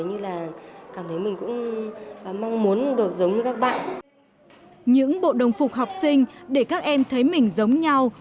những bộ đồng phục học sinh để các em thấy mình giống nhau